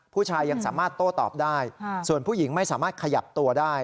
ผู้ชายยังสามารถโต้ตอบได้ส่วนผู้หญิงไม่สามารถขยับตัวได้